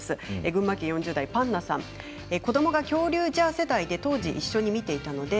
群馬県４０代の方子どもが「キョウリュウジャー」世代で当時、一緒に見ていました。